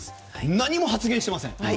何も発言していません。